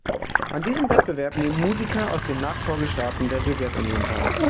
An diesem Wettbewerb nehmen Musiker aus den Nachfolgestaaten der Sowjetunion teil.